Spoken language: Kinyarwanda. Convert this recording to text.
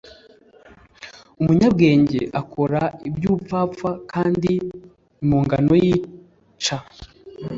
umunyabwenge akora iby ubupfapfa s kandi imponganot yica